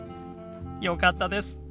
よかったです。